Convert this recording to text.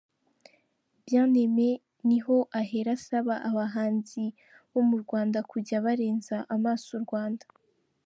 Bien-Aimé niho ahera asaba abahanzi bo mu Rwanda kujya barenza amaso u Rwanda.